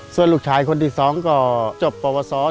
ส่วนลูกชายคนที่๒ก็จบประวัติศาสตร์